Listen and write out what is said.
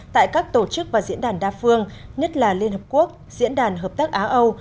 tại các tổ chức và diễn đàn đa phương nhất là liên hợp quốc diễn đàn hợp tác á âu